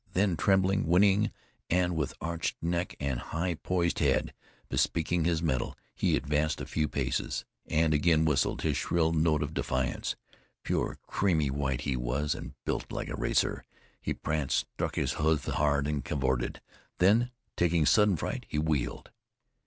Then trembling, whinnying, and with arched neck and high poised head, bespeaking his mettle, he advanced a few paces, and again whistled his shrill note of defiance. Pure creamy white he was, and built like a racer. He pranced, struck his hoofs hard and cavorted; then, taking sudden fright, he wheeled.